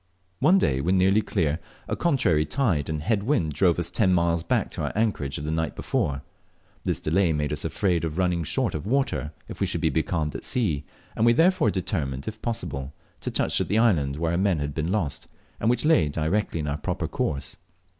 One day, when nearly clear, a contrary tide and head wind drove us ten miles back to our anchorage of the night before. This delay made us afraid of running short of water if we should be becalmed at sea, and we therefore determined, if possible, to touch at the island where our men had been lost, and which lay directly in our proper course.